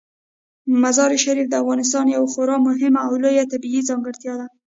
مزارشریف د افغانستان یوه خورا مهمه او لویه طبیعي ځانګړتیا ده.